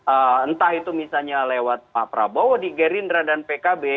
entah itu misalnya lewat pak prabowo di gerindra dan pkb